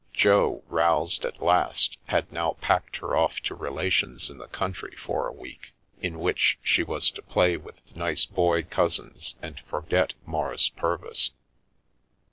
Jo, roused at last, had now packed her off to relations in the country for a week, in which she was to play with nice boy cousins, and forget Maurice Purvis.